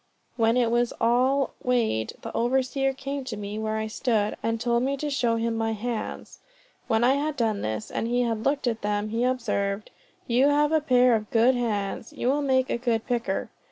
When it was all weighed, the overseer came to me where I stood, and told me to show him my hands. When I had done this, and he had looked at them, he observed "You have a pair of good hands you will make a good picker."